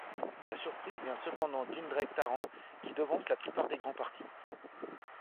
La surprise vient cependant d'Indrek Tarand qui devance la plupart des grands partis.